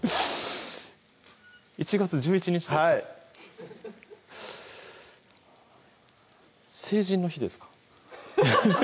１月１１日ですかはい成人の日ですか？